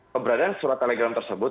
keberadaan surat telegram tersebut